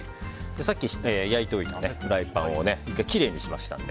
さっき焼いておいたフライパンを１回きれいにしました。